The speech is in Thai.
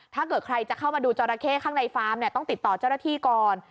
ถ้าเกิดใครจะเข้ามาดูจอราเข้ข้างในฟาร์มเนี่ยต้องติดต่อเจ้าหน้าที่ก่อน